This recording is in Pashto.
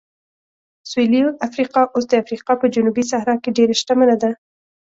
سویلي افریقا اوس د افریقا په جنوبي صحرا کې ډېره شتمنه ده.